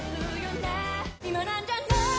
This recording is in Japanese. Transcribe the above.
「今なんじゃない？